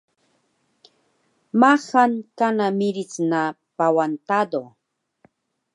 Maxal kana miric na Pawan Tado